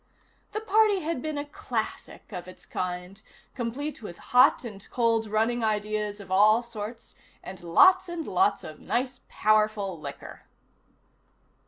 The party had been a classic of its kind, complete with hot and cold running ideas of all sorts, and lots and lots of nice powerful liquor.